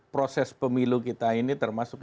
proses pemilu kita ini termasuk